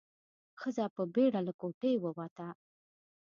ښځه په بيړه له کوټې ووته.